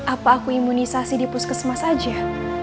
apa aku imunisasi di puskesmas aja